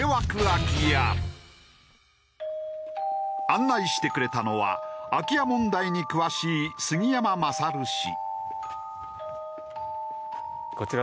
案内してくれたのは空き家問題に詳しい杉山勝氏。